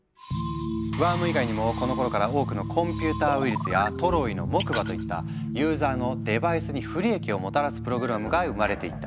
ワーム以外にもこのころから多くの「コンピューターウイルス」や「トロイの木馬」といったユーザーのデバイスに不利益をもたらすプログラムが生まれていった。